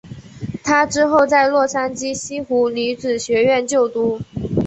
她之后在洛杉矶西湖女子学院就读。